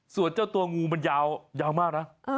ส่วนเจ้าตัวงูมันยาวมากนะ